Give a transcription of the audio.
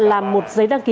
làm một giấy đăng ký